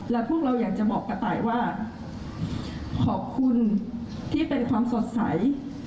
และพวกเราอยากจะบอกกระต่ายว่าขอบคุณที่เป็นความสดใส